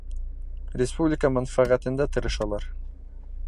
Республика мәнфәғәтендә тырышалар.